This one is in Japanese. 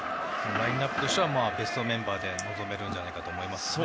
ラインアップとしてはベストメンバーで臨めるんじゃないかと思いますね。